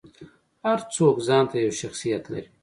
هر څوک ځانته یو شخصیت لري.